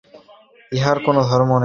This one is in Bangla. ইহার অন্য কোন অর্থ নাই।